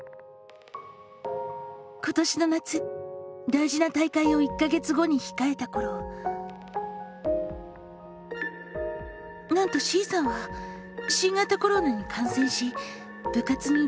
今年の夏大事な大会を１か月後にひかえたころなんとＣさんは新型コロナに感染し部活に出られなくなってしまいました。